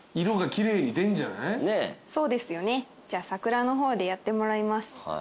じゃあ桜の方でやってもらいます。